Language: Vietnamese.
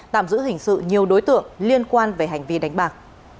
tạm giữ hình sự nhiều đối tượng liên quan về hành vi đánh bạc